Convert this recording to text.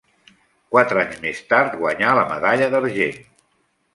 Quatre anys més tard guanyà la medalla d'argent.